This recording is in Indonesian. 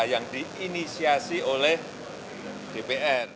yang diinisiasi oleh pemerintah pertama